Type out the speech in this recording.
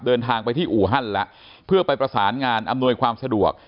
เดินทางไปที่อู่ฮั่นแล้วเพื่อไปประสานงานอำนวยความสะดวก